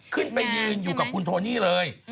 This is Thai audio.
ขึ้นไปยืนอยู่กับคุณโทนี่เลย